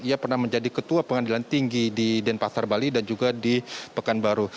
ia pernah menjadi ketua pengadilan tinggi di denpasar bali dan juga di pekanbaru